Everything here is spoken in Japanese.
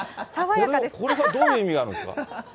これはどういう意味あるんですか。